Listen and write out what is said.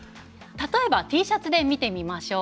例えばＴシャツで見てみましょう。